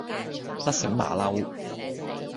甩繩馬騮